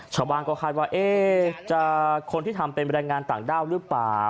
ชาวบ้านก็คาดว่าจะคนที่ทำเป็นแรงงานต่างด้าวหรือเปล่า